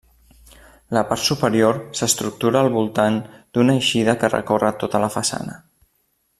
La part superior s'estructura al voltant d'una eixida que recorre tota la façana.